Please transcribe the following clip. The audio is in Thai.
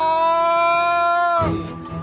น้องโบร้อง